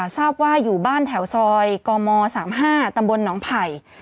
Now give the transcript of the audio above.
ทราบว่าอยู่บ้านแถวซอยกม๓๕ตำบลหนองไผ่